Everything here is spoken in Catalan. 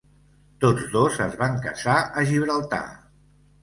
Tots dos es van casar a Gibraltar.